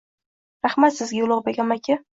Rahmat sizga, Ulug‘bek amaki!